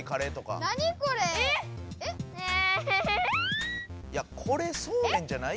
いやこれそうめんじゃないやろ。